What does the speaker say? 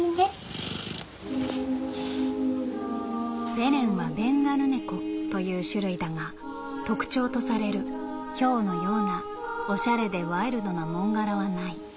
「ベレンはベンガル猫という種類だが特徴とされるヒョウのようなおしゃれでワイルドな紋柄はない」。